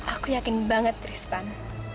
aku yakin banget tristan